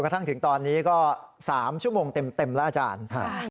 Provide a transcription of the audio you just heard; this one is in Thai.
ทั้งถึงตอนนี้ก็๓ชั่วโมงเต็มแล้วอาจารย์